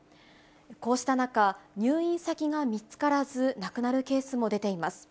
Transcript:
こうした中、入院先が見つからず、亡くなるケースも出ています。